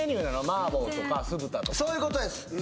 麻婆とか酢豚とかそういうことです